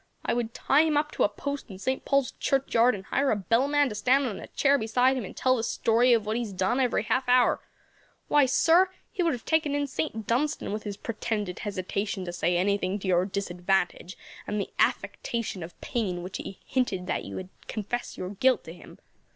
I would tie him up to a post in St. Paul's Churchyard, and hire a bellman to stand on a chair beside him and tell the story of what he has done every half hour. Why, sir, he would have taken in St. Dunstan with his pretended hesitation to say anything to your disadvantage, and the affectation of pain with which he hinted that you had confessed your guilt to him.